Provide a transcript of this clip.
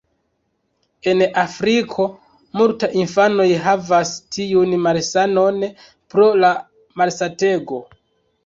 En Afriko multa infanoj havas tiun malsanon pro la malsatego.